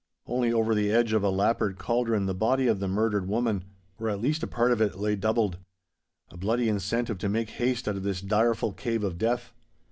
Only over the edge of a lappered cauldron the body of the murdered woman (or, at least, a part of it), lay doubled—a bloody incentive to make haste out of this direful Cave of Death.